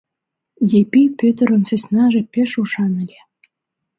Епи Пӧтырын сӧснаже пеш ушан ыле.